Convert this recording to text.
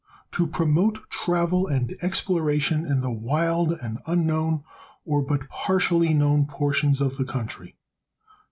To promote travel and exploration in the wild and unknown, or but partially known, portions of the country.